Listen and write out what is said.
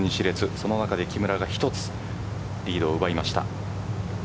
その中で木村が１つリードを奪いました。